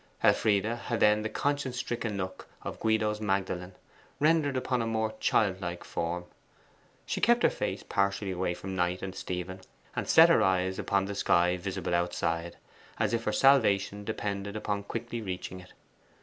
Elfride had then the conscience stricken look of Guido's Magdalen, rendered upon a more childlike form. She kept her face partially away from Knight and Stephen, and set her eyes upon the sky visible outside, as if her salvation depended upon quickly reaching it.